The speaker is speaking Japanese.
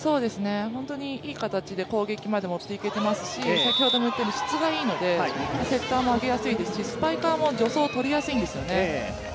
いい形で攻撃まで持っていけていますし質がいいので、セッターも上げやすいですしスパイカーも助走、とりやすいんですよね。